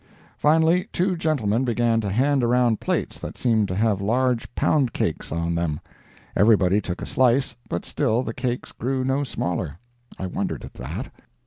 Finally, two gentlemen began to hand around plates that seemed to have large pound cakes on them. Everybody took a slice, but still the cakes grew no smaller. I wondered at that.